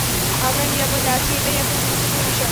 আমরা নিরাপদে আছি এটাই এখন গুরুত্বপূর্ণ বিষয়।